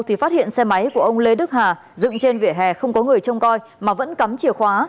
thì phát hiện xe máy của ông lê đức hà dựng trên vỉa hè không có người trông coi mà vẫn cắm chìa khóa